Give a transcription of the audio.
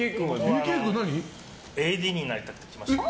ＡＤになりたくて来ました。